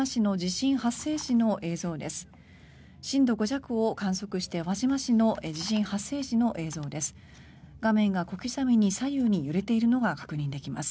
震度５弱を観測した輪島市の地震発生時の映像です。